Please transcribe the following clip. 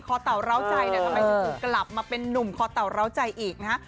เต่าร้าวใจเนี่ยทำไมถึงกลับมาเป็นนุ่มคอเต่าร้าวใจอีกนะฮะ